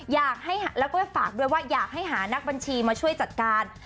อยากให้หานักบัญชีมาช่วยจัดการ